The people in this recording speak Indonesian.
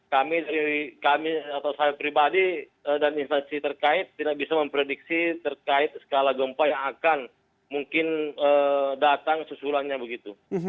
kami dari kami atau saya pribadi dan instansi terkait tidak bisa memprediksi terkait skala gempa yang akan mungkin datang susulannya begitu